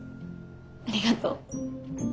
ありがとう。